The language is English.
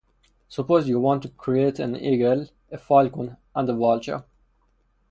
Suppose you want to create an Eagle, a Falcon and a vulture.